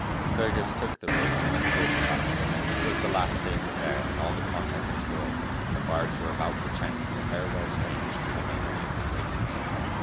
Fergus took the robe and went towards Tara. It was the last day of the fair, and all the con tests were over, and the bards were about to chant the farewell strains to the memory of the great queen.